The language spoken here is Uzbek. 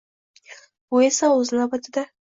Bu esa, o‘z navbatida